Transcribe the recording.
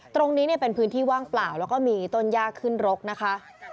ตรงนี้เป็นพื้นที่ว่างเปล่าแล้วก็มีต้นยากขึ้นรกนะคะ